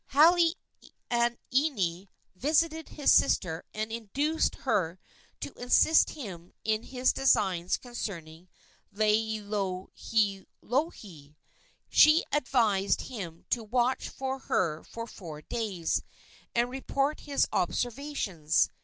Halaaniani visited his sister and induced her to assist him in his designs concerning Laielohelohe. She advised him to watch her for four days, and report his observations.